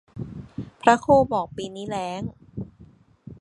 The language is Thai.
พระโคบอกปีนี้แล้ง